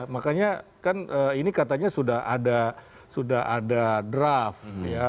makanya kan ini katanya sudah ada draft